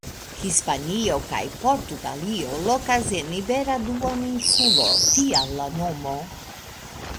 Hispanio kaj Portugalio lokas en Ibera Duoninsulo; tial la nomo.